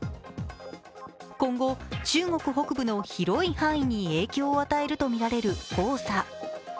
今後、中国北部の広い範囲に影響を与えるとみられる黄砂。